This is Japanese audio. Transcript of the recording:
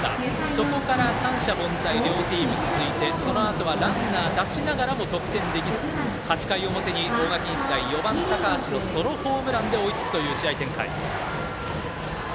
そこから、三者凡退両チーム続いてそのあとはランナー出しながらも得点できず、８回表に大垣日大、４番、高橋のソロホームランで追いつくという試合展開。